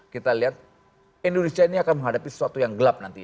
kita lihat indonesia ini akan menghadapi sesuatu yang gelap nanti